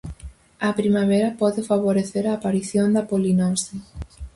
A primavera pode favorecer a aparición da polinose.